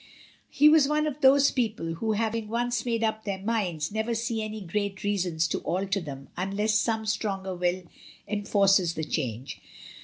235 He was one of those people who, having once made up their minds, never see any great reasons to alter them unless some stronger will enforces the change.